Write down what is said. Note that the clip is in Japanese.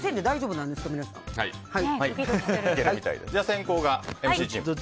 先攻がＭＣチーム。